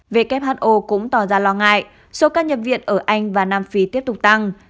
who cũng tỏ ra lo ngại số ca nhập viện ở anh và nam phi tiếp tục tăng